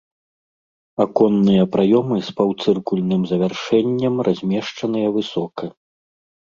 Аконныя праёмы з паўцыркульным завяршэннем размешчаныя высока.